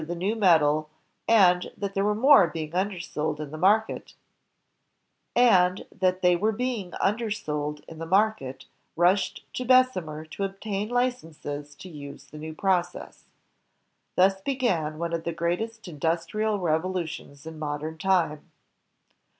The steel makers, seeing there was a demand for \ the new metal and that they were being undersold in the market, rushed to Bessemer to obtain Ucenses to use the new process. Thus began one of the greatest industrial revolutions in modem times.